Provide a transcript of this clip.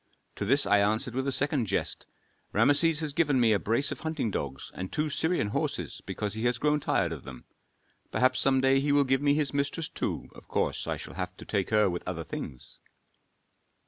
To this I answered with a second jest: 'Rameses has given me a brace of hunting dogs and two Syrian horses because he has grown tired of them; perhaps some day he will give me his mistress too, of course I shall have to take her with other things.'"